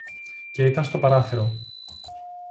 Και ήταν στο παράθυρο